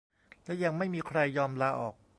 และยังไม่มีใครยอมลาออก